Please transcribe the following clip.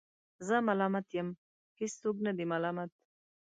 زه ملامت یم ، هیڅوک نه دی ملامت